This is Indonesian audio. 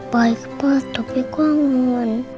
baik pak tapi kangen